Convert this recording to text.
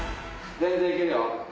全然行けるよ！